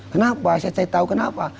kenapa saya tahu kenapa